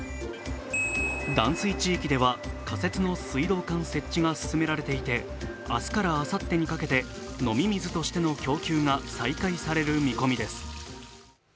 断水地域では、仮設の水道管設置が進めれていて明日からあさってにかけて飲み水としての供給が再開される見込みです。